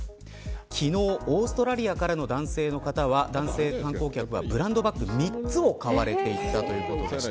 昨日、オーストラリアからの男性観光客はブランドバッグ３つを買っていたということです。